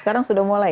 sekarang sudah mulai